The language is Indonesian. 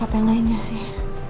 apa yang lainnya sih